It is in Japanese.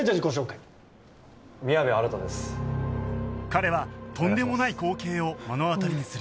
彼はとんでもない光景を目の当たりにする